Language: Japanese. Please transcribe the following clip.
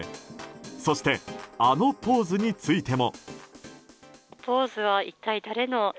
そしてあのポーズについても。